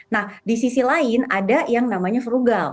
nah di sisi lain ada yang namanya frugal